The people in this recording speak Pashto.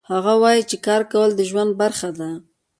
هغه وایي چې کار کول د ژوند برخه ده